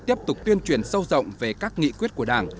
tiếp tục tuyên truyền sâu rộng về các nghị quyết của đảng